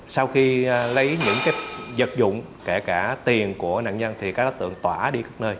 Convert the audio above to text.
sau khi lấy những vật dụng kể cả tiền của nạn nhân thì các đối tượng tỏa đi khắp nơi